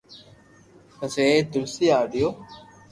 پسي ڀائ تلسي آئيو